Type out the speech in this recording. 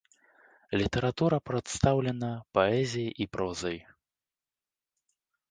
Літаратура прадстаўлена паэзіяй і прозай.